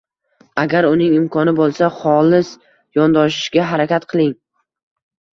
Agar uning imkoni bo‘lmasa, xolis yondoshishga harakat qiling.